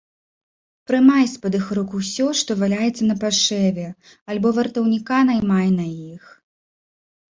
Прымай з-пад іх рук усё, што валяецца напашэве, альбо вартаўніка наймай на іх.